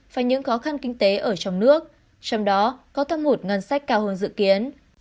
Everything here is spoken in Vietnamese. và những khó khăn kinh tế ở trong nước trong đó có thâm hụt ngân sách cao hơn dự kiến